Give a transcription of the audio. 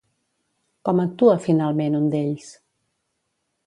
Com actua finalment un d'ells?